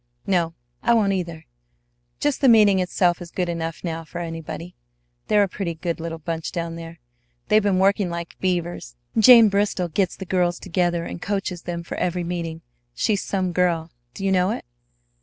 No, I won't either. Just the meeting itself is good enough now for anybody. They're a pretty good little bunch down there. They've been working like beavers. Jane Bristol gets the girls together, and coaches them for every meeting. She's some girl, do you know it?"